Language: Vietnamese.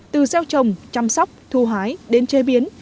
từ gieo trồng chăm sóc thu hái đến chế biến